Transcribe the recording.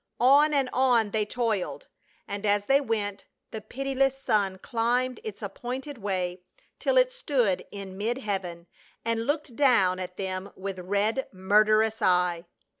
On and on they toiled, and as they went the pitiless sun climbed its appointed way till it stood in mid heaven and looked down at them with red murderous eye.